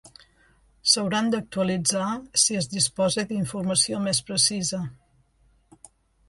S'hauran d'actualitzar si es disposa d'informació més precisa.